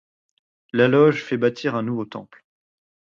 La loge fait bâtir un nouveau temple.